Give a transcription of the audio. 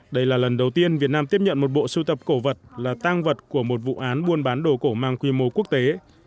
đây là lần đầu tiên việt nam tiếp nhận một bộ sưu tập cổ vật là tang vật của một vụ án buôn bán đồ cổ mang quy mô quốc tế